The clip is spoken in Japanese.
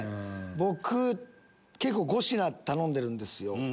僕５品頼んでるんですよ。